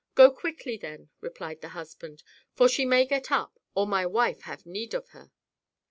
"Go quickly then," replied the husband, "for she may get up, or my wife have need of her."